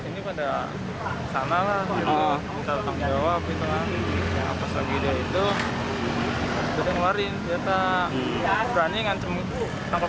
ini pada sana lah kita jawab itu apa segitu itu udah ngeluarin kita berani ngancem tangkap